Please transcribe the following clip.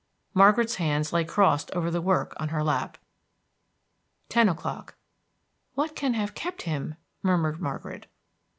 Margaret's hands lay crossed over the work on her lap. Ten o'clock. "What can have kept him?" murmured Margaret.